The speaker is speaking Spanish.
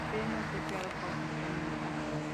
El imperio no fue creado por conquista militar.